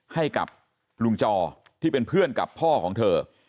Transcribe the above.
ให้กับลุงจอที่เป็นเพื่อนกับพ่อของเธอ